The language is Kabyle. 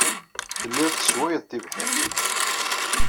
Telliḍ tesswayeḍ tibḥirt.